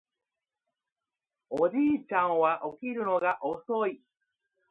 おじいちゃんは起きるのが遅い